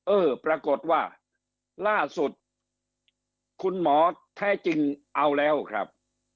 เออปรากฏว่าล่าสุดคุณหมอแท้จริงเอาแล้วครับ